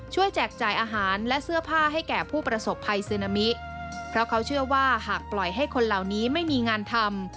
เชื่อว่าหากปล่อยให้คนเหล่านี้ไม่มีงานทำ